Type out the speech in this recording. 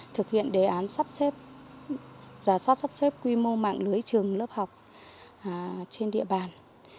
thực hiện đề án sắp xếp giả soát sắp xếp quy mô mạng lưới trường lớp học trên địa bàn